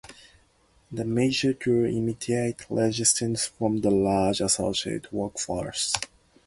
The measures drew immediate resistance from the large associated workforce.